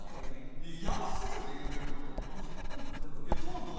やばすぎるで、言うてること。